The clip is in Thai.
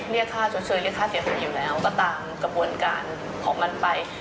เรียกค่าชดเชยเรียกค่าเสียหายอยู่แล้วก็ตามกระบวนการของมันไป